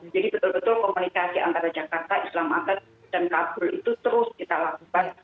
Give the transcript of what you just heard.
jadi betul betul komunikasi antara jakarta islamabad dan kabul itu terus kita lakukan